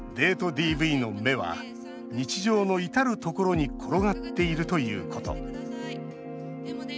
ＤＶの芽は日常の至るところに転がっているということ。